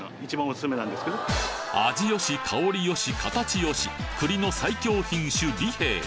味よし香りよし形よし栗の最強品種利平